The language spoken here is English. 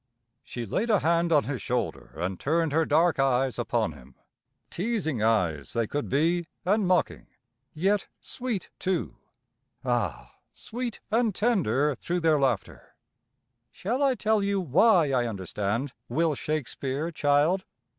She laid a hand on his shoulder and turned her dark eyes upon him. Teasing eyes they could be and mocking, yet sweet, too. Ah, sweet and tender through their laughter! "Shall I tell you why I understand, Will Shakespeare, child?"